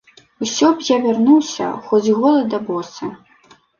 Усё б я вярнуўся, хоць голы да босы!